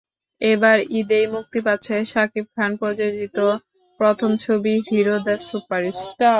এবার ঈদেই মুক্তি পাচ্ছে শাকিব খান প্রযোজিত প্রথম ছবি হিরো, দ্য সুপারস্টার।